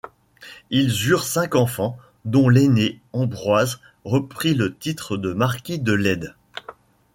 Ils eurent cinq enfants dont l'aîné, Ambroise, reprit le titre de marquis de Lede.